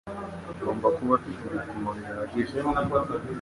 agomba kuba afite ibipimo bihagije